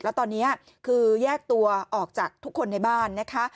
แล้วตอนนี้คือแยกตัวออกจากทุกคนในบ้านนะคะ